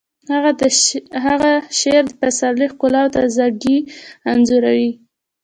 د هغه شعر د پسرلي ښکلا او تازه ګي انځوروي